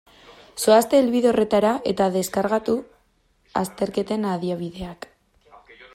Zoazte helbide horretara eta deskargatu azterketen adibideak.